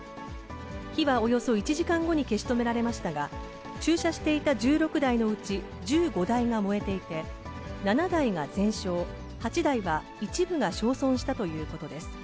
火はおよそ１時間後に消し止められましたが、駐車していた１６台のうち、１５台が燃えていて、７台が全焼、８台が一部が焼損したということです。